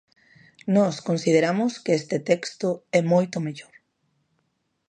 Nós consideramos que este texto é moito mellor.